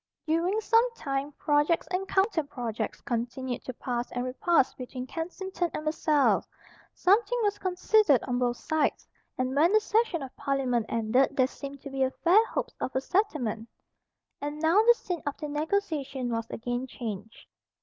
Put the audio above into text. During some time projects and counterprojects continued to pass and repass between Kensington and Versailles. Something was conceded on both sides; and when the session of Parliament ended there seemed to be fair hopes of a settlement. And now the scene of the negotiation was again changed.